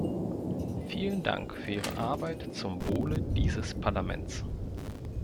Vielen Dank für Ihre Arbeit zum Wohle dieses Parlaments.